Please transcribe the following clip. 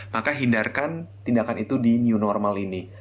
maka hindarkan tindakan itu di new normal ini